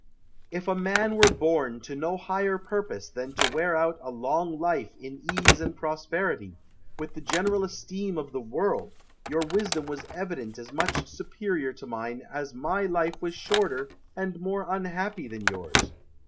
Brutus. If man were born to no higher purpose than to wear out a long life in ease and prosperity, with the general esteem of the world, your wisdom was evidently as much superior to mine as my life was shorter and more unhappy than yours.